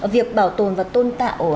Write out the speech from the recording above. việc bảo tồn và tôn tạo